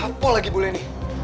apa lagi boleh ini